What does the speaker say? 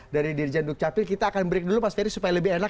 dari dirjen dukcapil kita akan break dulu mas ferry supaya lebih enak